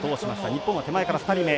日本は手前から２人目。